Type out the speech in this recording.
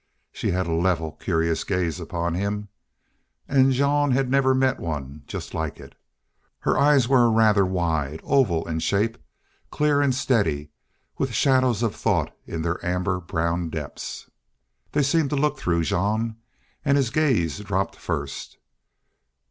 She had a level, curious gaze upon him, and Jean had never met one just like it. Her eyes were rather a wide oval in shape, clear and steady, with shadows of thought in their amber brown depths. They seemed to look through Jean, and his gaze dropped first.